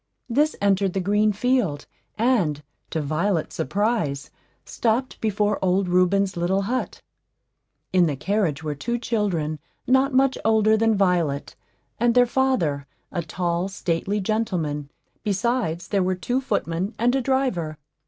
This entered the green field, and, to Violet's surprise, stopped before old Reuben's little hut. In the carriage were two children not much older than Violet, and their father, a tall, stately gentleman; besides, there were two footmen and a driver.